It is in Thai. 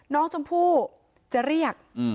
น้องชมพู่จะเรียก